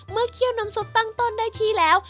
เคี่ยวน้ำซุปตั้งต้นได้ที่แล้ว